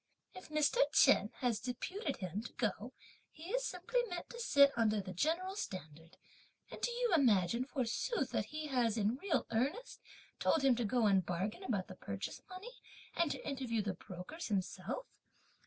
If Mr. Chen has deputed him to go, he is simply meant to sit under the general's standard; and do you imagine, forsooth, that he has, in real earnest, told him to go and bargain about the purchase money, and to interview the brokers himself?